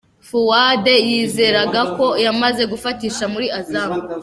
Fuad yizeragako yamaze gufatisha muri Azam